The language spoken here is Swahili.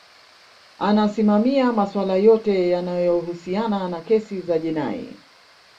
anasimamia maswala yote yanayohusiana na kesi za jinai